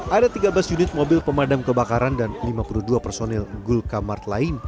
ada tiga belas unit mobil pemadam kebakaran dan lima puluh dua personil gulkamart lain